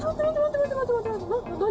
待って、待って、何？